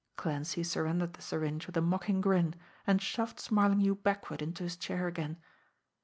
Clancy surrendered the syringe with a mocking grin, and shoved Smarlinghue backward into his chair again.